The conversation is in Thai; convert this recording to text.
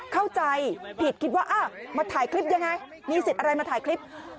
เข้าใจผิดคิดว่ามาถ่ายคลิปยังไงมีสิทธิ์อะไรมาถ่ายคลิป